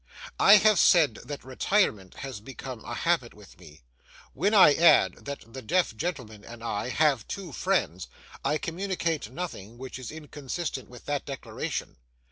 I have said that retirement has become a habit with me. When I add, that the deaf gentleman and I have two friends, I communicate nothing which is inconsistent with that declaration.